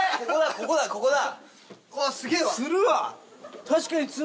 ここだここだ！